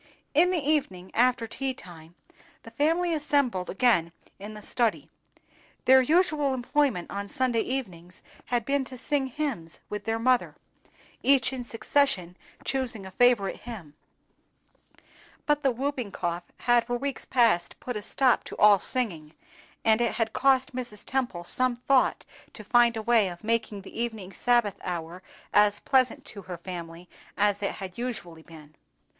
In the evening, after tea time, the family assembled again in the study. Their usual employment on Sunday evenings had been to sing hymns with their mother, each in succession choosing a favorite hymn; but the whooping cough had for weeks past put a stop to all singing, and it had cost Mrs. Temple some thought to find a way of making the evening Sabbath hour as pleasant to her family as it had usually been.